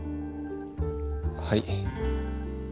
はい。